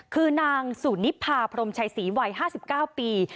คือนางซูนิพาพรมชายศรีวัยห้าสิบเก้าปี